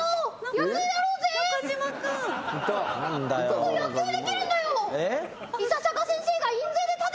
ここ野球できるんだよ。